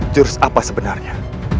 jurus apa sebenarnya